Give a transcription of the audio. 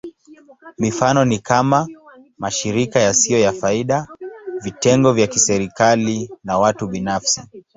Mifano ni kama: mashirika yasiyo ya faida, vitengo vya kiserikali, na watu binafsi.